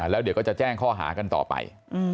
แล้วเดี๋ยวก็จะแจ้งข้อหากันต่อไป